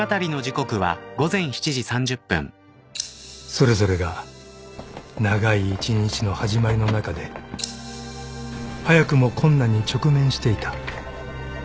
［それぞれが長い一日の始まりの中で早くも困難に直面していた］